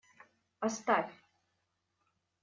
Оставь!